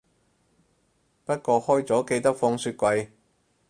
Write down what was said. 不過開咗記得放雪櫃